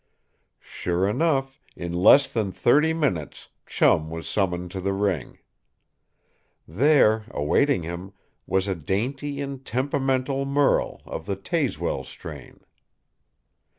Sure enough, in less than thirty minutes Chum was summoned to the ring. There, awaiting him, was a dainty and temperamental merle, of the Tazewell strain.